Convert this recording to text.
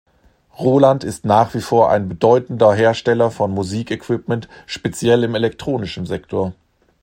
Roland ist nach wie vor ein bedeutender Hersteller von Musik-Equipment, speziell im elektronischen Sektor.